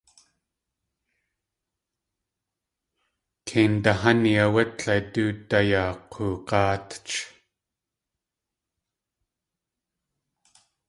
Kei ndaháni áwé tle du daa yaa k̲oog̲áatch.